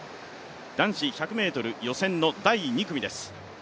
男子１００ｍ予選の第２組です。